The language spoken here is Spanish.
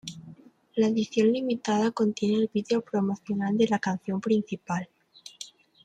La edición limitada contiene el vídeo promocional de la canción principal.